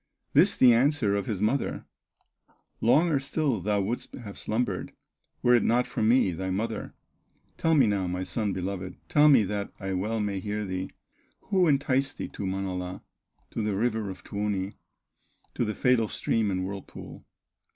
This the answer of his mother: "Longer still thou wouldst have slumbered, Were it not for me, thy mother; Tell me now, my son beloved, Tell me that I well may hear thee, Who enticed thee to Manala, To the river of Tuoni, To the fatal stream and whirlpool?"